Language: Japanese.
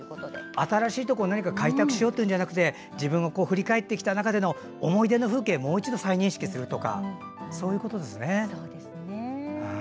新しいところを開拓しようというのではなくて自分が振り返ってきた中での思い出の風景をもう一度再認識するということですね。